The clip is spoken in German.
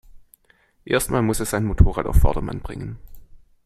Erst mal muss er sein Motorrad auf Vordermann bringen.